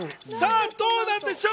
どうなんでしょう？